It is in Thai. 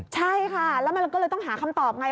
ใช่ค่ะแล้วมันก็เลยต้องหาคำตอบไง